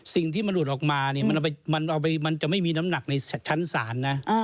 สิ่งที่มันหลุดออกมาเนี่ยมันจะไม่มีน้ำหนักในชั้นศาลนะ